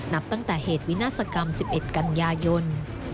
นับตั้งแต่เหตุวินาศกรรม๑๑กันยายน